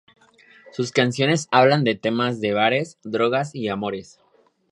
Sus canciones hablan de temas de bares, drogas y amores.